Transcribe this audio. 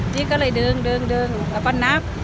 นี่ก็เลยดึงดึงดึงแล้วก็นับ